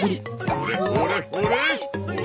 ほれほれほれっ！